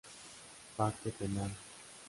Parte Penal.